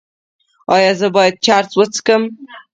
ایا زه باید چرس وڅکوم؟